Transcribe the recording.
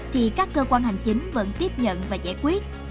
thì các cơ quan hành chính vẫn tiếp nhận và giải quyết